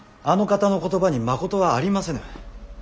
あの方の言葉にまことはありませぬ。